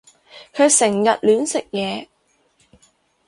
佢成日亂食嘢